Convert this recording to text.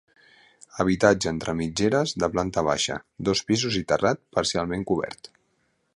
Habitatge entre mitgeres de planta baixa, dos pisos i terrat parcialment cobert.